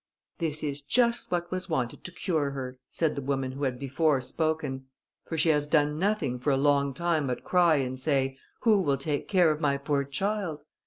"This is just what was wanted to cure her," said the woman who had before spoken, "for she has done nothing for a long time but cry, and say, '_Who will take care of my poor child?